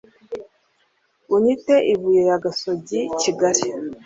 Unyite ibuye ya gasogi kigali